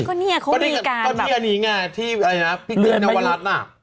ก็เนี่ยเขามีการตอนนี้อันนี้ไงที่ที่เรือนนวรัฐน่ะ